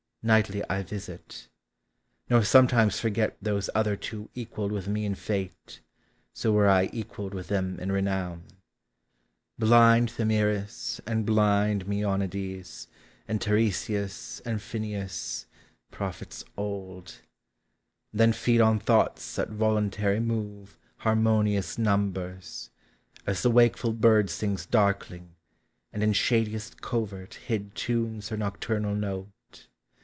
Nightly I visit: nor sometimes forget Those other two equalled with me in fate, So were I equalled with them in renown. Blind Thamyris and blind Mseonides, And Tiresias and Phineus, prophets old: Then feed on thoughts that voluntary move Harmonious numbers; as the wakeful bird Sings darkling, and in shadiest cover! hid Tunes her nocturnal note.